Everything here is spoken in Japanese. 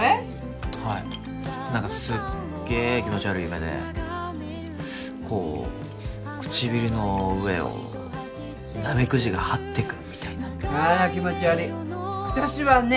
はい何かすっげえ気持ち悪い夢でこう唇の上をナメクジがはってくみたいなあら気持ち悪い私はね